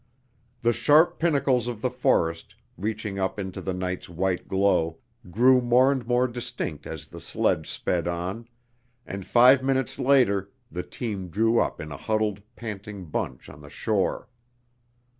The sharp pinnacles of the forest, reaching up into the night's white glow, grew more and more distinct as the sledge sped on, and five minutes later the team drew up in a huddled, panting bunch on the shore.